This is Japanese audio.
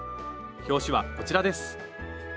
表紙はこちらです